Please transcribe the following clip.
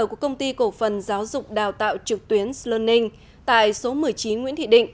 của công ty cổ phần giáo dục đào tạo trực tuyến slning tại số một mươi chín nguyễn thị định